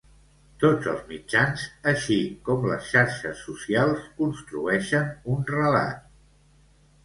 Tots els mitjans, així com les xarxes socials, construeixen un relat.